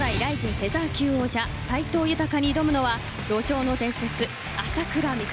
フェザー級王者斎藤裕に挑むのは路上の伝説、朝倉未来。